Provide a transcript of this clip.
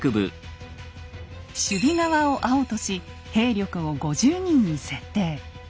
守備側を青とし兵力を５０人に設定。